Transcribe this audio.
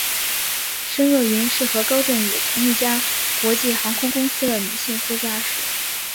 申若云是和高振宇同一家国际航空公司的女性副驾驶。